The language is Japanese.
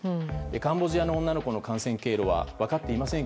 カンボジアの女の子の感染経路は分かっていません